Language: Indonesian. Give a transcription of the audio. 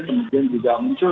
kemudian juga muncul